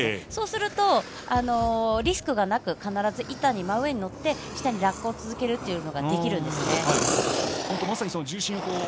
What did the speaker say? そうするとリスクがなく必ず板の真上に乗って下に落下を続けることができるんです。